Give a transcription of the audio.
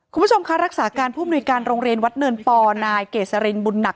คุณผู้ชมคะรักษาการผู้มนุยการโรงเรียนวัดเนินปอนายเกษรินบุญหนัก